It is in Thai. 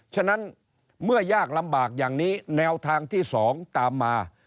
ฉะนั้นเมื่อยากลำบากอย่างนี้แนวทางที่๒ตามมา